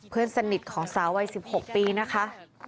เพื่อนสนิทของสาววัย๑๖ปีนะคะ